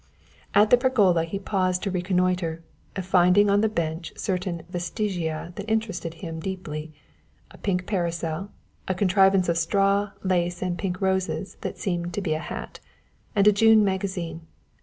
At the pergola he paused to reconnoiter, finding on the bench certain vestigia that interested him deeply, a pink parasol, a contrivance of straw, lace and pink roses that seemed to be a hat, and a June magazine.